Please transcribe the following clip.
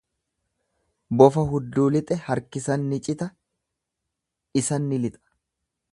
Bofa hudduu lixe harkisan ni cita dhisan ni lixa.